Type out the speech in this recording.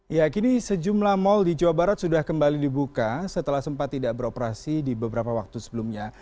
ya kini sejumlah mal di jawa barat sudah kembali dibuka setelah sempat tidak beroperasi di beberapa waktu sebelumnya